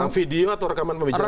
video atau rekaman pembicaraan